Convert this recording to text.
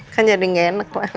kan jadi gak enak lah